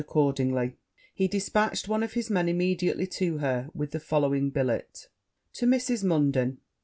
Accordingly, he dispatched one of his men immediately to her with the following billet. 'To Mrs. Munden.